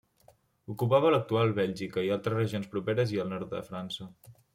Ocupava l'actual Bèlgica i altres regions properes i el nord de França.